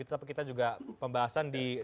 tapi kita juga pembahasan di